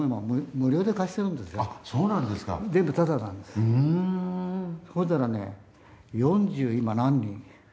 そしたらね４０今何人。